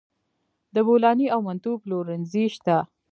د بولاني او منتو پلورنځي شته